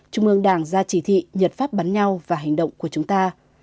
trung ương đảng ra chỉ thị nhật pháp bắn nhau và hành động của chúng ta